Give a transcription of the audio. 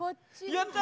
やった！